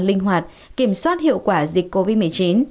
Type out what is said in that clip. linh hoạt kiểm soát hiệu quả dịch covid một mươi chín